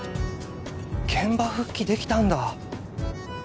現場復帰できたんだ！